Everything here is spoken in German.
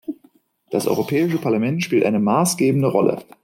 Das Europäische Parlament spielt eine maßgebende Rolle.